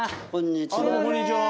あっどうもこんにちは。